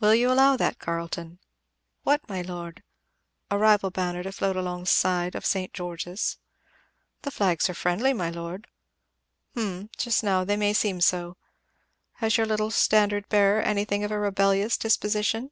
"Will you allow that, Carleton?" "What, my lord?" "A rival banner to float alongside of St. George's?" '"The flags are friendly, my lord." "Hum just now, they may seem so. Has your little standard bearer anything of a rebellious disposition?"